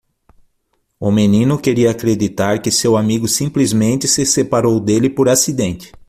O menino queria acreditar que seu amigo simplesmente se separou dele por acidente.